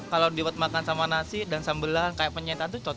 kalau dibuat makan sama nasi dan sambelan kayak penyetan itu cocok